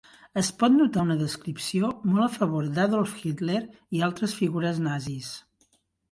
Es pot notar una descripció molt a favor d'Adolf Hitler i altres figures nazis.